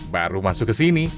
baru masuk ke sini